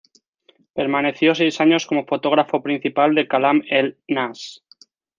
Permaneció seis años como fotógrafo principal de Kalam-El-Nass.